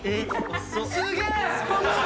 すげえ！